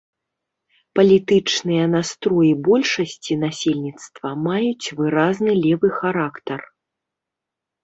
Палітычныя настроі большасці насельніцтва маюць выразны левы характар.